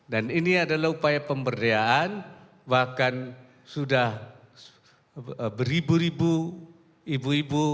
dan ini adalah upaya pemberdayaan bahkan sudah beribu ribu ibu ibu